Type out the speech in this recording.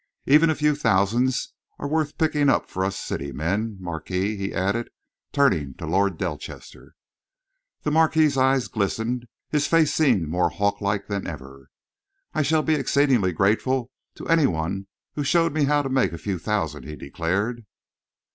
Even a few thousands are worth picking up for us city men, Marquis," he added, turning to Lord Delchester. The Marquis' eyes glistened. His face seemed more hawklike than ever. "I should be exceedingly grateful to any one who showed me how to make a few thousands," he declared.